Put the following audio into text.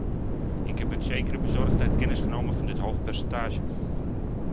Ik heb met een zekere bezorgdheid kennis genomen van dit hoge percentage.